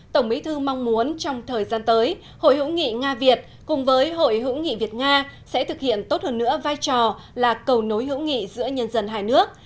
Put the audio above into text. tổng bí thư mong muốn trong thời gian tới hội hữu nghị nga việt cùng với hội hữu nghị việt nga sẽ thực hiện tốt hơn nữa vai trò là cầu nối hữu nghị giữa nhân dân hai nước